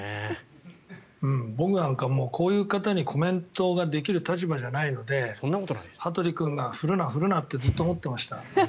僕なんか、こういう方にコメントができる立場じゃないので羽鳥君が振るな、振るなってずっと思っていました。